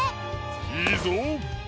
いいぞ！